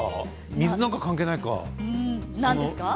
水なんか関係ないか。